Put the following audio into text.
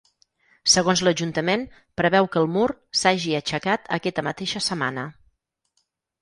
Segons l’ajuntament, preveu que el mur s’hagi aixecat aquesta mateixa setmana.